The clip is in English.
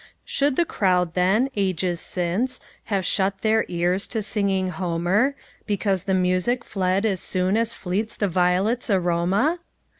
Should the crowd then, ages since, Have shut their ears to singing Homer, Because the music fled as soonAs fleets the violets' aroma?